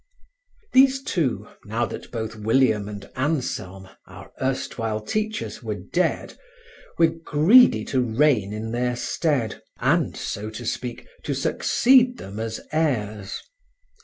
These two, now that both William and Anselm, our erstwhile teachers, were dead, were greedy to reign in their stead, and, so to speak, to succeed them as heirs.